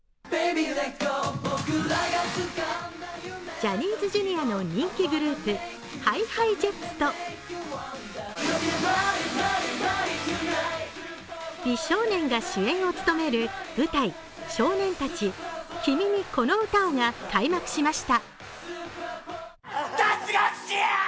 ジャニーズＪｒ．の人気グループＨｉＨｉＪｅｔｓと美少年が主演を務める舞台「少年たち君にこの歌を」が開幕しました。